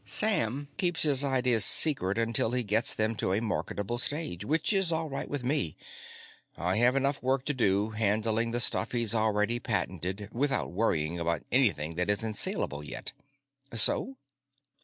Sam keeps his ideas secret until he gets them to a marketable stage, which is all right with me. I have enough work to do, handling the stuff he's already patented, without worrying about anything that isn't salable yet. So?"